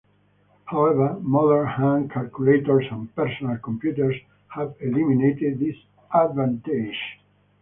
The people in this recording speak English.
However, modern hand calculators and personal computers have eliminated this "advantage".